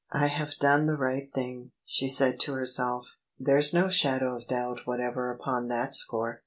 " I have done the right thing," she said to herself: "there's no shadow of doubt whatever upon that score.